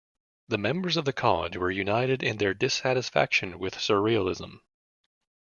The members of the College were united in their dissatisfaction with surrealism.